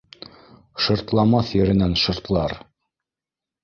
— Шыртламаҫ еренән шыртлар